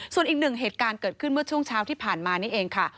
ส่วนอีกหนึ่งเหตุการณ์เกิดขึ้นเมื่อช่วงเช้าที่ผ่านมานี่เองค่ะ